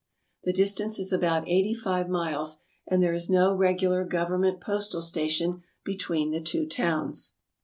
The ASIA 301 distance is about eighty five miles, and there is no regular government postal station between the two towns.